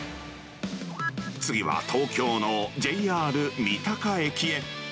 次は東京のＪＲ三鷹駅へ。